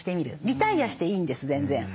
リタイアしていいんです全然。